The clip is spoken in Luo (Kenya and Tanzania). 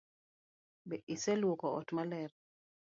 Be iseluoko ot maler?